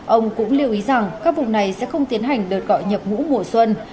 ông cũng lưu ý rằng các vùng này sẽ không tiến hành đợt gọi nhập ngũ mùa xuân